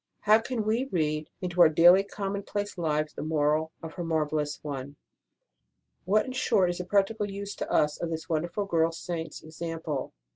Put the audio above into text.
How can we read into our daily commonplace lives the moral of her marvellous one ? What, in short, is the practical use to us of this wonderful girl Saint s example?